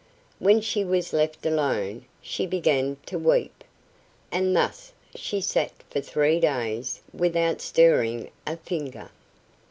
When she was left alone, she began to weep, and thus she sat for three days without stirring a finger.